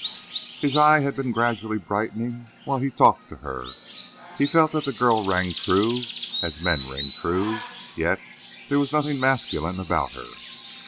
His eye had been gradually brightening while he talked to her. He felt that the girl rang true, as men ring true, yet there was nothing masculine about her.